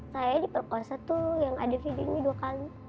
saya diperkonset tuh yang ada video ini dua kali